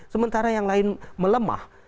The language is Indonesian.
sementara yang lain melemah